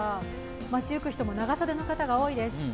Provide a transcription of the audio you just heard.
街行く人も長袖の人が多いです。